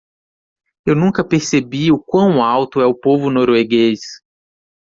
Eu nunca percebi o quão alto é o povo norueguês.